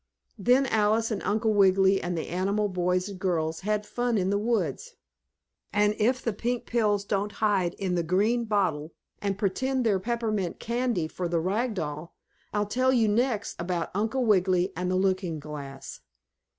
Then Alice and Uncle Wiggily and the animal boys and girls had fun in the woods. And, if the pink pills don't hide in the green bottle and pretend they're peppermint candy for the rag doll, I'll tell you next about Uncle Wiggily and the looking glass.